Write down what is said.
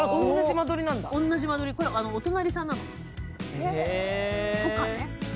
同じ間取り、これはお隣さんなの。とかね。